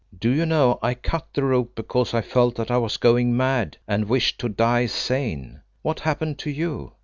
Do you know I cut the rope because I felt that I was going mad, and wished to die sane. What happened to you?